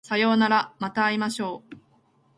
さようならまた会いましょう